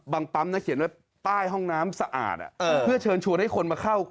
ปั๊มนะเขียนไว้ป้ายห้องน้ำสะอาดเพื่อเชิญชวนให้คนมาเข้า